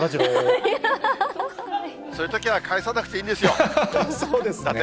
そういうときは返さなくていそうですね。